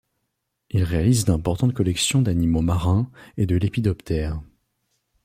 Il réalise d’importantes collections d’animaux marins et de lépidoptères.